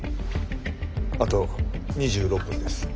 あと２６分です。